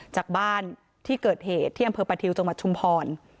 จากบ้านที่เกิดเหตุที่อำเภอประทิวจังหวัดชุมพร